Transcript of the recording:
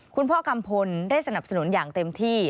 คุณพ่อกัมพลได้สนับสนุนอย่างเต็มที่